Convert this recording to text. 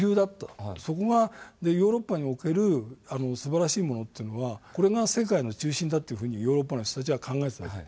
ヨーロッパにおけるすばらしいものというのはこれが世界の中心だというふうにヨーロッパの人たちは考えてたのね。